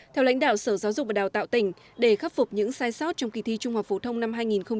theo lãnh đạo sở giáo dục và đào tạo tỉnh để khắc phục những sai sót trong kỳ thi trung học phổ thông năm hai nghìn một mươi tám